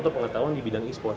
untuk pengetahuan di bidang e sport